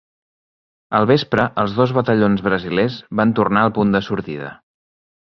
Al vespre, els dos batallons brasilers van tornar al punt de sortida.